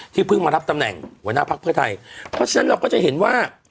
เพิ่งมารับตำแหน่งหัวหน้าพักเพื่อไทยเพราะฉะนั้นเราก็จะเห็นว่า